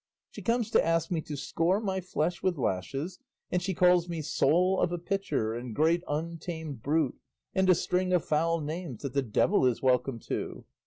She comes to ask me to score my flesh with lashes, and she calls me soul of a pitcher, and great untamed brute, and a string of foul names that the devil is welcome to.